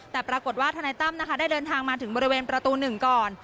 แต่ปรากฏว่าธนายตั้มนะคะได้เดินทางมาถึงบริเวณประตู๑ก่อน